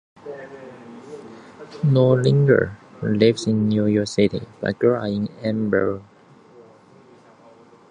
Nordlinger lives in New York City but grew up in Ann Arbor, Michigan.